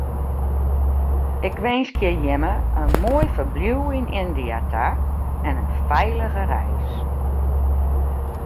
Ik winskje jimme in moai ferbliuw yn Yndia ta en in feilige reis.